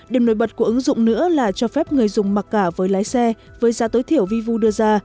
điểm nổi bật của ứng dụng nữa là cho phép người dùng mặc cả với lái xe với giá tối thiểu vivu đưa ra